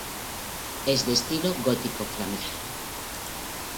Es de estilo gótico flamígero.